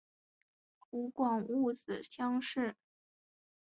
湖广戊子乡试。